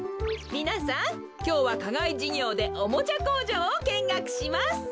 みなさんきょうはかがいじゅぎょうでおもちゃこうじょうをけんがくします。